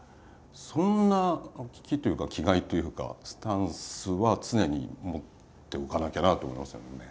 そんな危機というか気概というかスタンスは常に持っておかなきゃなと思いますけどもね。